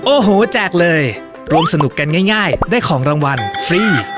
โอ้โหแจกเลยรวมสนุกกันง่ายได้ของรางวัลฟรี